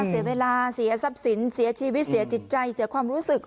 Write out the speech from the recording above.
เสียเวลาเสียทรัพย์สินเสียชีวิตเสียจิตใจเสียความรู้สึก